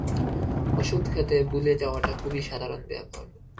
ওষুধ খেতে ভুলে যাওয়াটা খুবই সাধারণ ব্যাপার।